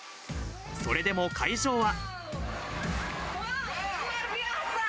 それでも会場は。